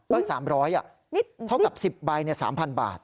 เท่ากับ๑๐ใบ๓๐๐๐บาท